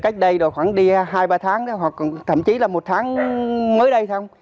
cách đây khoảng đi hai ba tháng hoặc thậm chí là một tháng mới đây